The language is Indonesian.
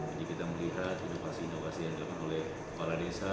jadi kita melihat inovasi inovasi yang dilakukan oleh para desa